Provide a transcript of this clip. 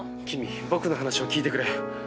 キミ僕の話を聞いてくれ。